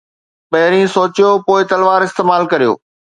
پهرين سوچيو، پوءِ تلوار استعمال ڪريو.